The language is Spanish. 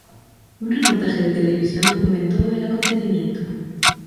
Un reportaje de televisión documentó el acontecimiento.